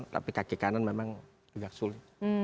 tapi kaki kanan memang agak sulit